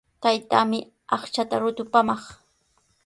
Taytaami aqchaata rutupaamaq.